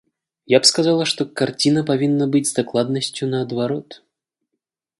Я б сказала, што карціна павінна быць з дакладнасцю наадварот.